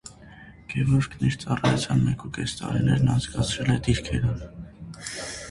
Գևորգն իր ծառայության մեկ ու կես տարիներն անցկացրել է դիրքերում։